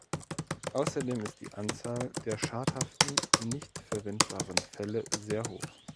Außerdem ist die Anzahl der schadhaften, nicht verwendbaren Felle sehr hoch.